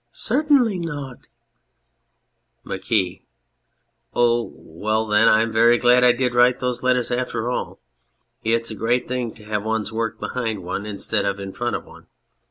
Certainly not ! MARQUIS. Oh, well then, I'm very glad I did write those letters after all. It's a great thing to have one's work behind one instead of in front of one.